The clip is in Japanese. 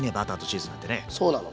そうなの。